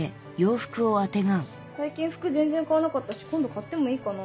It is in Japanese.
最近服全然買わなかったし今度買ってもいいかな？